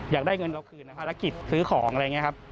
อยากได้เงินเราคืนในภารกิจซื้อของอะไรอย่างนี้ครับ